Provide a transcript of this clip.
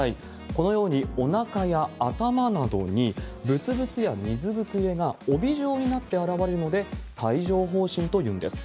このようにおなかや頭などに、ぶつぶつや水ぶくれが帯状になって現れるので、帯状ほう疹というんです。